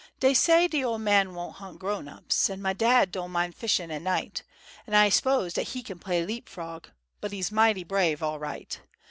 Dey say de ol' man won' hu't grown ups, An' mah dad don' min' fishin' at night; An' ah s'pose dat he kin play leap frog— But he's mighty brave all right.